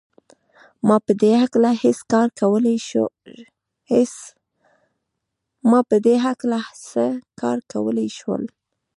ما په دې هکله څه کار کولای شول